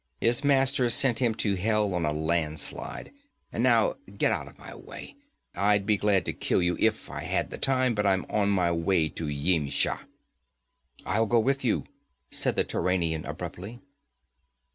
'His masters sent him to hell on a landslide. And now get out of my way. I'd be glad to kill you if I had the time, but I'm on my way to Yimsha.' 'I'll go with you,' said the Turanian abruptly.